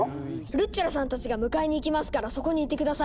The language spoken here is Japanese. ルッチョラさんたちが迎えに行きますからそこにいて下さい。